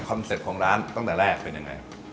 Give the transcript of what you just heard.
เป็ปต์ของร้านตั้งแต่แรกเป็นยังไง